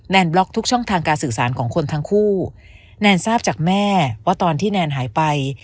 บล็อกทุกช่องทางการสื่อสารของคนทั้งคู่แนนทราบจากแม่ว่าตอนที่แนนหายไป